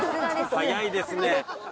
早いですね。